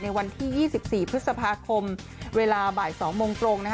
วันที่๒๔พฤษภาคมเวลาบ่าย๒โมงตรง